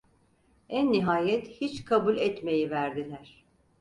En nihayet hiç kabul etmeyiverdiler.